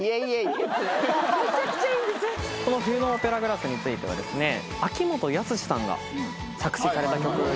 この『冬のオペラグラス』については秋元康さんが作詞された曲なんですね。